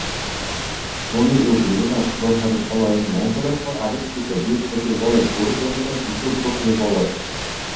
শনি ও ইউরেনাস গ্রহের বলয় মণ্ডলের পর আবিষ্কৃত বৃহস্পতির বলয় সৌর জগতের তৃতীয় গ্রহীয় বলয়।